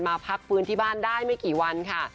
พักฟื้นที่บ้านได้ไม่กี่วันค่ะ